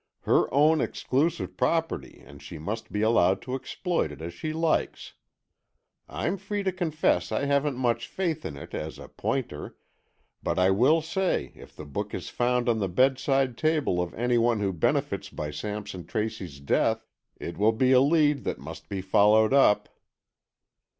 "Her own exclusive property and she must be allowed to exploit it as she likes. I'm free to confess I haven't much faith in it as a pointer, but I will say if the book is found on the bedside table of any one who benefits by Sampson Tracy's death, it will be a lead that must be followed up."